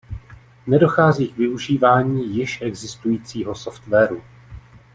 Nedochází k využívání již existujícího softwaru.